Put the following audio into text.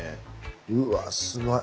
うわすごい。